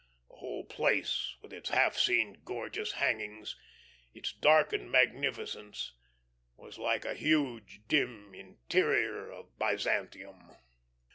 The whole place, with its half seen gorgeous hangings, its darkened magnificence, was like a huge, dim interior of Byzantium.